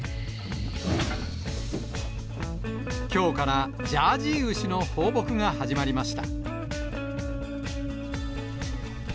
きょうからジャージー牛の放牧が始まりました。